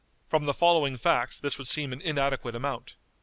From the following facts this would seem an inadequate amount.